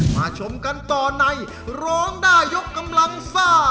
ชมกันต่อในร้องได้ยกกำลังซ่า